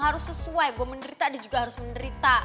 harus sesuai gue menderita dia juga harus menderita